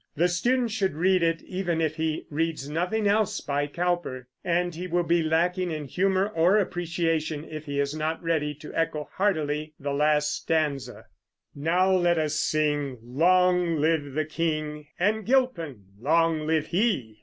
The student should read it, even if he reads nothing else by Cowper; and he will be lacking in humor or appreciation if he is not ready to echo heartily the last stanza: Now let us sing, Long live the King, And Gilpin, long live he!